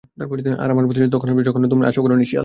আর আমার প্রতিশোধ তখন আসবে যখন তুমি তার আশাও করনি, শেয়াল।